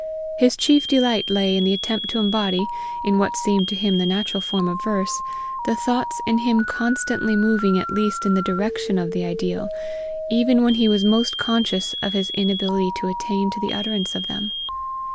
His chief delight lay in the attempt to embody, in what seemed to him the natural form of verse, the thoughts in him constantly moving at least in the direction of the ideal, even when he was most conscious of his inability to attain to the utterance of them.